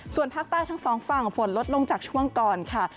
ส่วนภาคใต้ทั้งสองฝั่งฝนลดลงจากช่วงก่อนค่ะ